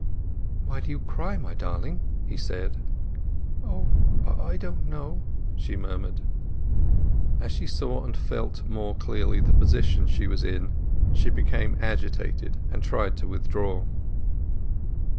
"Why do you cry, my darling?" he said. "O—I don't know!" she murmured. As she saw and felt more clearly the position she was in she became agitated and tried to withdraw.